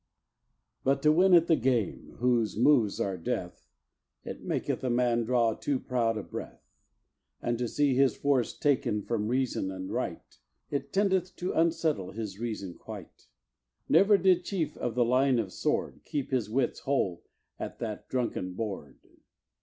But to win at the game, whose moves are death, It maketh a man draw too proud a breath: And to see his force taken for reason and right, It tendeth to unsettle his reason quite. Never did chief of the line of Sword Keep his wits whole at that drunken board.